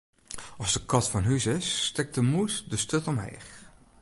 As de kat fan hús is, stekt de mûs de sturt omheech.